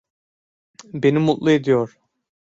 Beni mutlu ediyor.